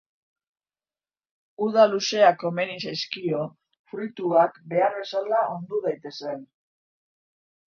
Uda luzeak komeni zaizkio, fruituak behar bezala ondu daitezen.